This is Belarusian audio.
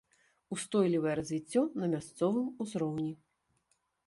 Устойлівае развіццё на мясцовым узроўні.